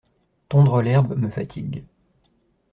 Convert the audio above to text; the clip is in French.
Tondre l’herbe me fatigue.